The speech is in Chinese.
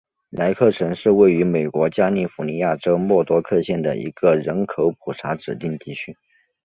莱克城是位于美国加利福尼亚州莫多克县的一个人口普查指定地区。